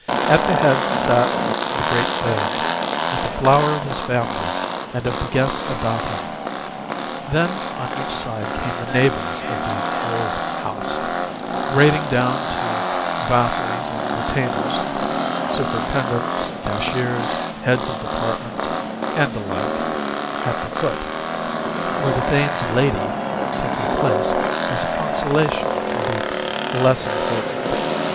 At the head sat the great Thane, with the flower of his family and of the guests about him; then on each side came the neighbors of the "old" house, grading down to vassals and retainers superintendents, cashiers, heads of departments, and the like at the foot, where the Thane's lady took her place as a consolation for the less important.